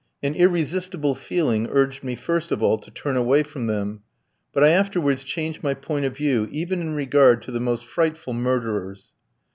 An irresistible feeling urged me first of all to turn away from them, but I afterwards changed my point of view, even in regard to the most frightful murderers.